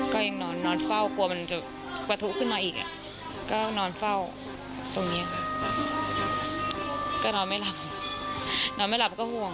ความรู้สึกส่วนหนึ่งของวันริยาที่บอกเล่าผ่านสายตาที่สิ้นหวัง